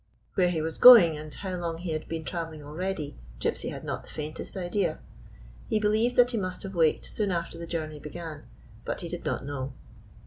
Where he was going, and how long he had been traveling already, Gypsy had not the faintest idea. He believed that he must have waked soon after the journey began; but he did not know.